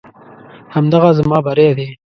همدغه زما بری دی.